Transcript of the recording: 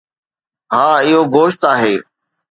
ها، اهو گوشت آهي